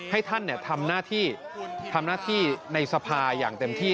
ให้ท่านทำหน้าที่ในทรัพยาพาอย่างเต็มที่